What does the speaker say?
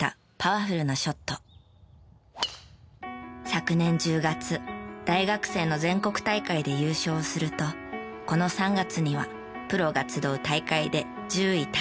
昨年１０月大学生の全国大会で優勝をするとこの３月にはプロが集う大会で１０位タイと大健闘。